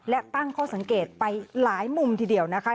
และตั้งข้อสังเกตไปหลายมุมทีเดียวนะคะ